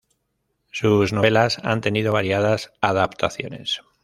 Sus novelas han tenido variadas adaptaciones.